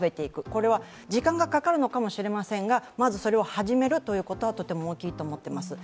これは時間がかかるのかもしれませんがまずそれを始めるということはとても大きいと思っています。